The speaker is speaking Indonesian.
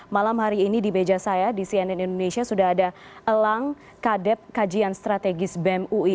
malam hari ini di meja saya di cnn indonesia sudah ada elang kadeb kajian strategis bem ui